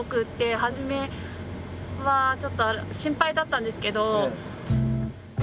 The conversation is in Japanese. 初めはちょっと心配だったんですけど。